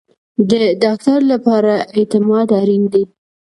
د ډاکټر لپاره اعتماد اړین دی